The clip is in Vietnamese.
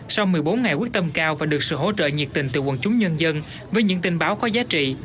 sau một mươi bốn ngày quyết tâm cao và được sự hỗ trợ nhiệt tình từ quần chúng nhân dân với những tin báo có giá trị